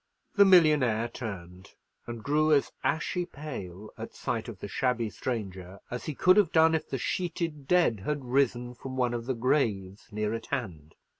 The millionaire turned, and grew as ashy pale at sight of the shabby stranger as he could have done if the sheeted dead had risen from one of the graves near at hand.